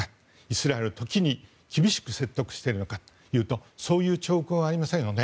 イスラエルを時に厳しく説得しているのかというとそういう兆候がありませんよね。